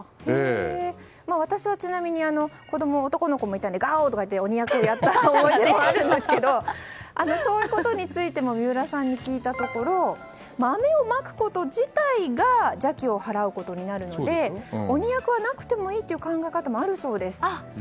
私はちなみに子供は男の子もいたのでガオー！とか言って鬼役をやった経験があるんですけどそういうことについても三浦さんに聞いたところ豆をまくこと自体が邪気を払うことになるので鬼役はなくてもいいという考え方もあるそうです。